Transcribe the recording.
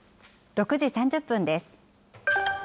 ６時３０分です。